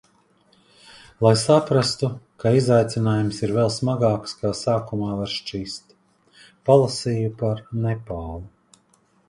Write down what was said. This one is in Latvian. Lai saprastu, ka izaicinājums ir vēl smagāks, kā sākumā var šķist. Palasīju par Nepālu.